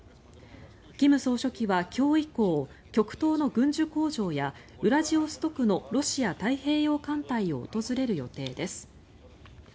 金総書記は今日以降極東の軍需工場やウラジオストクのロシア太平洋艦隊を訪れる予定です。